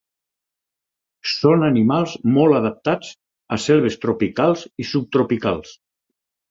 Són animals molt adaptats a selves tropicals i subtropicals.